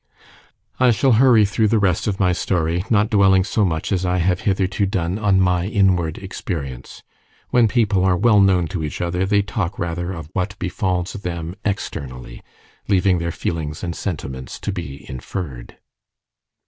I shall hurry through the rest of my story, not dwelling so much as I have hitherto done on my inward experience. When people are well known to each other, they talk rather of what befalls them externally, leaving their feelings and sentiments to be inferred.